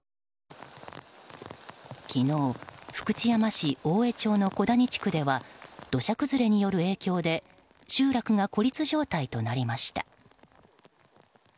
昨日、福知山市大江町の小谷地区では土砂崩れによる影響で集落が孤立状態となりました。